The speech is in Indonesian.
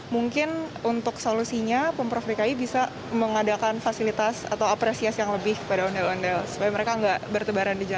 mungkin untuk solusinya pemprov dki bisa mengadakan fasilitas atau apresiasi yang lebih kepada ondel ondel supaya mereka nggak bertebaran di jalan